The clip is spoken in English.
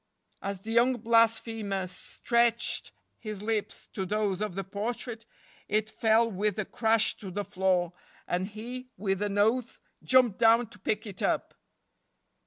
" As the young blasphemer stretched his lips to those of the portrait it fell with a crash to the floor, and he, with an oath, jumped down to pick it up.